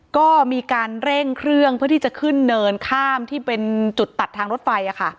ก็มีการเร่งเครื่องเพื่อที่จะขึ้นเนินข้ามที่เป็นจุดตัดทางรถไฟ